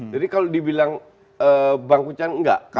jadi kalau dibilang bang kuchan enggak